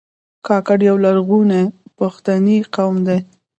کاکړ یو لرغونی پښتنی قوم دی.